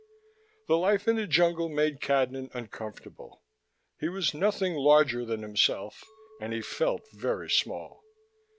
The life in the jungle made Cadnan uncomfortable: he was nothing larger than himself, and he felt very small.